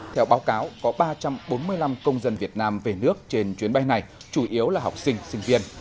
theo báo cáo có ba trăm bốn mươi năm công dân việt nam về nước trên chuyến bay này chủ yếu là học sinh sinh viên